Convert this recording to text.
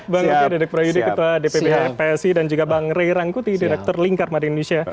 bang rukiah direktur pemilu ketua dpbh psi dan juga bang ray rangkuti direktur lingkar maring indonesia